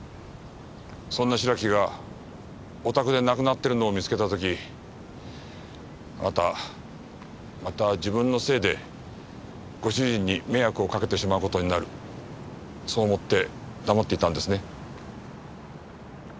そんな白木がお宅で亡くなってるのを見つけた時あなたまた自分のせいでご主人に迷惑をかけてしまう事になるそう思って黙っていたんですね？